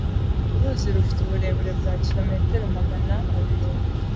Uruzi rufite uburebure bwa kilometero magana abiri.